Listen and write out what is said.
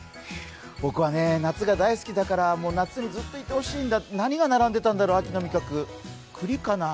僕はね、夏が大好きだから夏にずっといてほしいんだ何が並んでたんだろう、秋の味覚、くりかな？